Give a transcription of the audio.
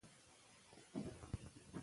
ډاکټره وویل چې د ډلې فعالیت رواني فشار کموي.